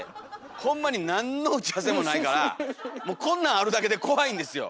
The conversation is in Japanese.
ホンマに何の打ち合わせもないからもうこんなんあるだけで怖いんですよ。